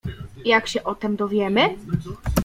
"Jak się o tem dowiemy?"